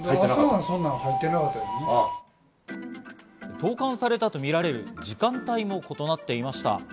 投函されたとみられる時間帯も異なっていました。